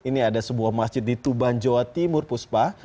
ini ada sebuah masjid di tuban jawa timur puspa